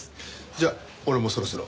じゃあ俺もそろそろ。